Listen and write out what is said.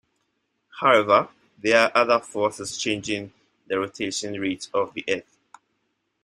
However, there are other forces changing the rotation rate of the Earth.